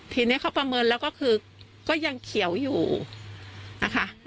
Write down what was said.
ทีนี้เขาประเมินแล้วก็คือก็ยังเขียวอยู่นะคะ